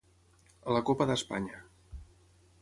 A la Copa d'Espanya: